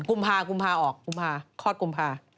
กุมภาออกกุมภาคลอดกุมภา